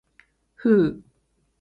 ふう。